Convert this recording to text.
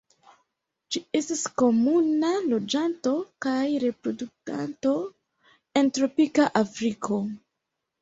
Ĝi estas komuna loĝanto kaj reproduktanto en tropika Afriko.